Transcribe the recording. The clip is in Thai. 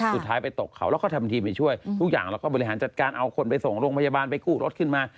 สุดท้ายไปตกเขาแล้วก็ทำทีไปช่วยทุกอย่างแล้วก็บริหารจัดการเอาคนไปส่งโรงพยาบาลไปกู้รถขึ้นมา